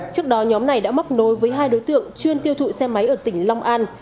trước đó nhóm này đã móc nối với hai đối tượng chuyên tiêu thụ xe máy ở tỉnh long an